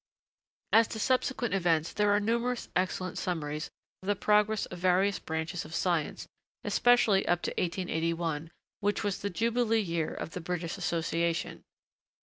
As to subsequent events, there are numerous excellent summaries of the progress of various branches of science, especially up to 1881, which was the jubilee year of the British Association.